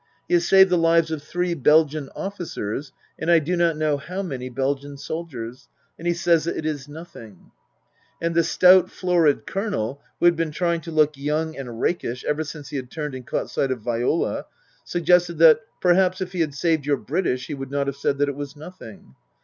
" He has saved the lives of three Belgian officers and I do not know how many Belgian soldiers and he says that it is nothing !" And the stout, florid Colonel, who had been trying to look young and rakish ever since he had turned and caught sight of Viola, suggested that " Perhaps, if he had saved your British, he would not have said that it was nothing."